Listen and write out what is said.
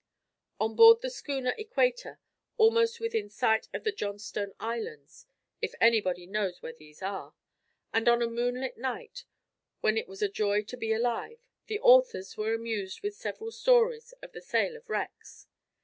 On board the schooner Equator, almost within sight of the Johnstone Islands (if anybody knows where these are) and on a moonlit night when it was a joy to be alive, the authors were amused with several stories of the sale of wrecks.